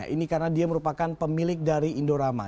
ini karena dia merupakan pemilik dari indorama